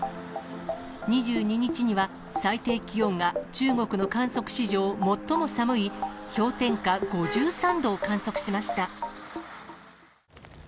２２日には最低気温が中国の観測史上最も寒い氷点下５３度を観測しました。